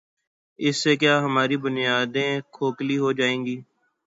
اس سے کیا ہماری بنیادیں کھوکھلی ہو جائیں گی؟